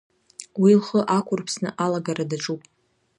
Уи лхы ақәырԥсны алагара даҿуп.